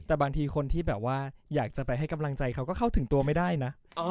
แต่บางทีคนที่แบบว่าอยากจะไปให้กำลังใจเขาก็เข้าถึงตัวไม่ได้นะ